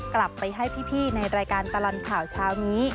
กลับไปให้พี่ในรายการตลอดข่าวเช้านี้